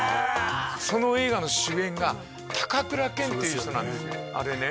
その映画の主演が高倉健っていう人なんですあれね